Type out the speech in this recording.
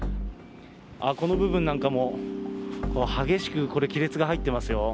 この部分なんかも激しくこれ、亀裂が入ってますよ。